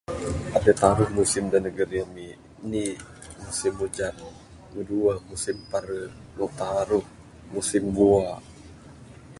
Adeh taruh musim dak negeri ami. Indi musim ujan, number duweh musim pare, number taruh musim bua.